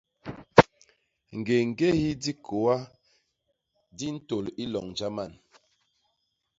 Ñgéñgéhi dikôa di ntôl i loñ jaman.